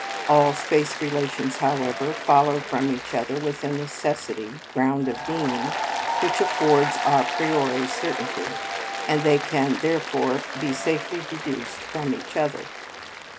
All space relations, however, follow from each other with a necessity (ground of being) which affords a priori certainty, and they can therefore be safely deduced from each other.